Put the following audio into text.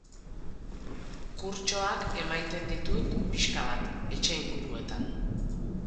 Kurtsoak emaiten ditut pixka bat, etxe inguruetan.